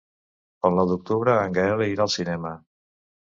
El nou d'octubre en Gaël irà al cinema.